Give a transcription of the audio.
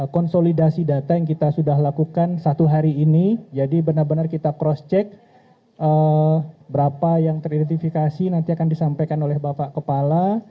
konsolidasi data yang kita sudah lakukan satu hari ini jadi benar benar kita cross check berapa yang teridentifikasi nanti akan disampaikan oleh bapak kepala